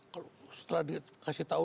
kalau setelah dikasih tahu